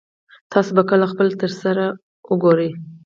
تاسو به کله خپل تره سره وګورئ